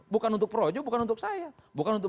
bukan untuk projo bukan untuk saya bukan untuk